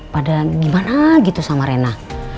pada gimana gitu sama rena